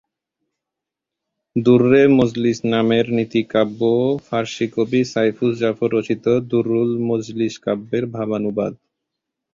দুররে মজলিশ নামের নীতিকাব্যও ফারসি কবি সাইফুজ জাফর রচিত দুর্রুল মজলিশ কাব্যের ভাবানুবাদ।